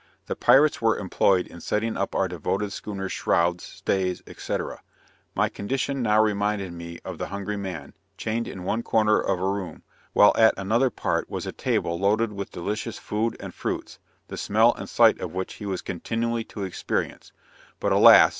The pirates were employed in setting up our devoted schooner's shrouds, stays, &c. My condition now reminded me of the hungry man, chained in one corner of a room, while at another part was a table loaded with delicious food and fruits, the smell and sight of which he was continually to experience, but alas!